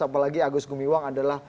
apalagi agus gumiwang adalah